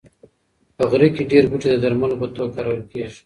په غره کې ډېر بوټي د درملو په توګه کارول کېږي.